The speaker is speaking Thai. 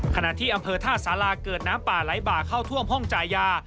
ขณะที่อำเภอท่าสาราเกิดน้ำป่าไหลบ่าเข้าท่วมห้องจ่ายยา